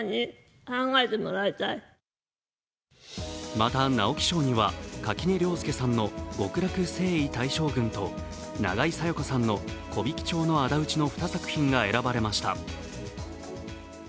また直木賞には垣根涼介さんの「極楽征夷大将軍」と永井紗耶子さんの「木挽町のあだ討ち」の２作品が選ばれました。